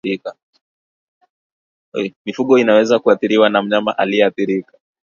Mifugo inaweza kuathiriwa na mnyama aliyeathirika